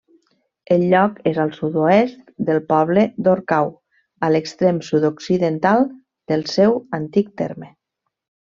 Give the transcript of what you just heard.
El lloc és al sud-oest del poble d'Orcau, a l'extrem sud-occidental del seu antic terme.